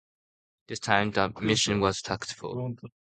This time the mission was successful.